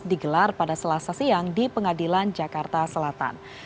digelar pada selasa siang di pengadilan jakarta selatan